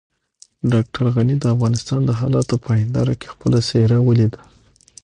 ډاکټر غني د افغانستان د حالاتو په هنداره کې خپله څېره وليده.